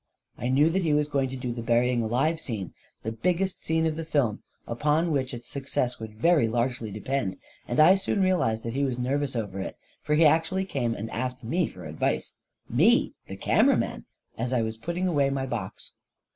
I knew that he was going to do the burying alive scene — the biggest scene of the film, upon which its success would very largely depend — and I soon realized that he was nervous over it, for he actually came and asked me for advice — me, the camera man I — as I was putting away my box.